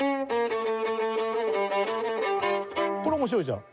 これ面白いじゃん。